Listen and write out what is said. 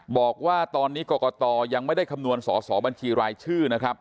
บอกว่าตอนนี้กรกตยังไม่ได้คำนวณสอสอบัญชีรายชื่อนะครับ